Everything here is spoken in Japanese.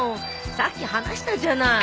さっき話したじゃない。